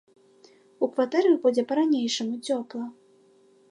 У кватэрах будзе па-ранейшаму цёпла.